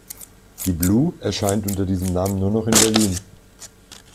Die "blu" erscheint unter diesem Namen nur noch in Berlin.